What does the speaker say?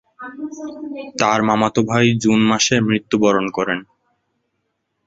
তার মামাতো ভাই জুন মাসে মৃত্যুবরণ করে।